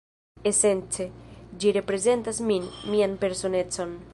Esence, ĝi reprezentas min, mian personecon